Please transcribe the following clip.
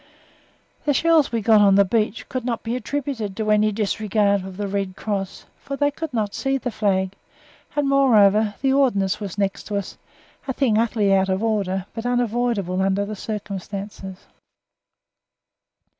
The shells we got on the beach could not be attributed to any disregard of the Red Cross, for they could not see the flag, and moreover the Ordnance was next to us, a thing utterly out of order, but unavoidable under the circumstances.